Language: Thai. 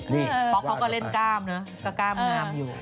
นี่ป๊อกเขาก็เล่นกล้ามเนอะก็กล้ามงามอยู่